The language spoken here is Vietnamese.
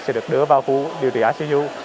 sẽ được đưa vào khu điều trị icu